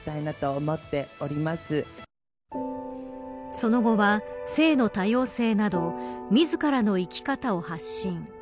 その後は、性の多様性など自らの生き方を発信。